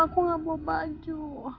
aku gak bawa baju